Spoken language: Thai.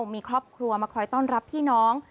มีครอบครัวมาคอยต้อนรับพี่น้อง